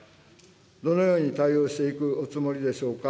どのように対応していくおつもりでしょうか。